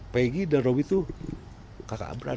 pegi dan robi itu kakak beradik